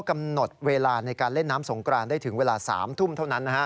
กำหนดเวลาในการเล่นน้ำสงกรานได้ถึงเวลา๓ทุ่มเท่านั้น